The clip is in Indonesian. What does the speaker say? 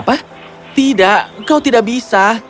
apa tidak kau tidak bisa